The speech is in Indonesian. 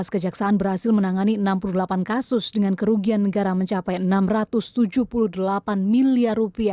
kejaksaan berhasil menangani enam puluh delapan kasus dengan kerugian negara mencapai rp enam ratus tujuh puluh delapan miliar